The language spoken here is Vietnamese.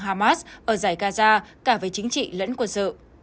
hamas ở giải gaza cả về chính trị lẫn quân sự